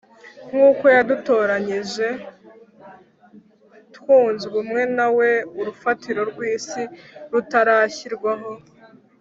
Nk uko yadutoranyije j twunze ubumwe na we urufatiro rw isi rutarashyirwaho